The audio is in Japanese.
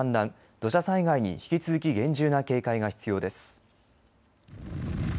土砂災害に引き続き厳重な警戒が必要です。